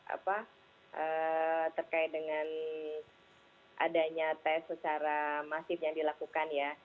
apa terkait dengan adanya tes secara masif yang dilakukan ya